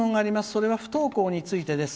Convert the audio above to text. それは不登校についてです。